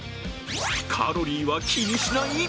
カロリーは気にしない？